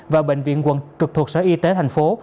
và bệnh viện quận trực thuộc sở y tế thành phố